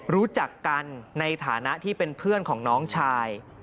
รู้จักกันในฐานะที่เป็นเพื่อนของน้องชาย